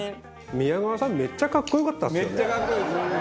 宮川さん、めっちゃ格好良かったですよね。